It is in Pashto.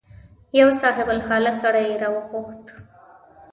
یو صاحب الحاله سړی یې راوغوښت.